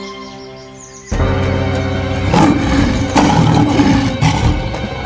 kau akan pemb lick tubuhsau ditutup ini